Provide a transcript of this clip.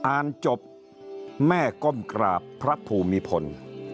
อ่านจบแม่ก้มกราบพระภูมิพล